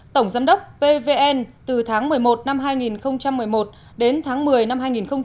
tổng giám đốc pvn từ tháng một mươi một năm hai nghìn một mươi một đến tháng một mươi năm hai nghìn một mươi bảy